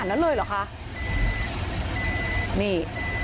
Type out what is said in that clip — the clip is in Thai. เฮ้ยพี่